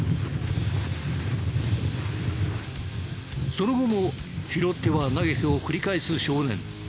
その後も拾っては投げてを繰り返す少年。